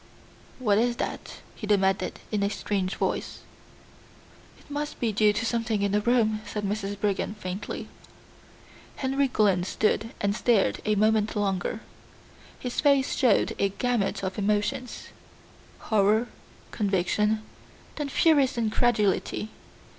"What is that?" he demanded in a strange voice. "It must be due to something in the room," Mrs. Brigham said faintly. Henry Glynn stood and stared a moment longer. His face showed a gamut of emotions. Horror, conviction, then furious incredulity.